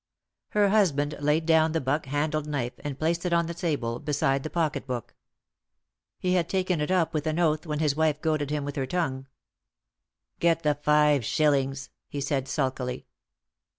Her husband laid down the buck handled knife and placed it on the table beside the pocket book. He had taken it up with an oath when his wife goaded him with her tongue. "Get the five, shillings," he said, sulkily.